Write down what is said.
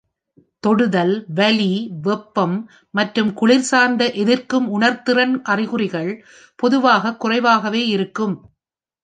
தொடுதல், வலி, வெப்பம் மற்றும் குளிர் சார்ந்த எதிர்க்கும் உணர்திறன் அறிகுறிகள் பொதுவாக குறைவாகவே இருக்கும்.